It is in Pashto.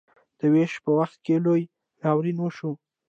د ویش په وخت کې لوی ناورین وشو.